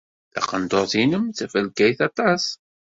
Taqendurt-nnem d tafalkayt aṭas.